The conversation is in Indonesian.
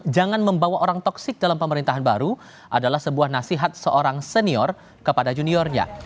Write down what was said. jangan membawa orang toksik dalam pemerintahan baru adalah sebuah nasihat seorang senior kepada juniornya